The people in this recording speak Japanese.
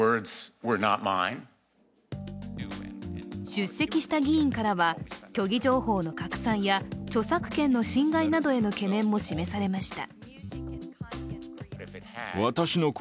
出席した議員からは、虚偽情報の拡散や著作権の侵害などへの懸念も示されました。